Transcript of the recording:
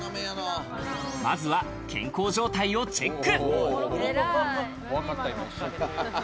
まずは健康状態をチェック。